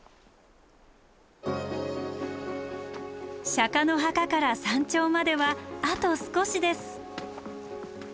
釈の墓から山頂まではあと少しです。